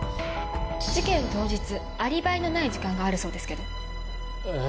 事件当日アリバイのない時間があるそうですけど。